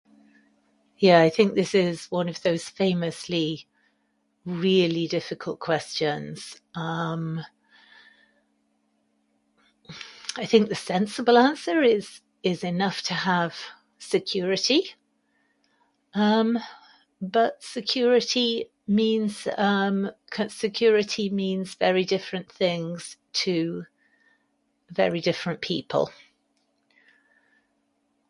I think this is one of those famously really difficult questions. Um... I think the sensible answer is enough to have security, but security means very different things to very different people.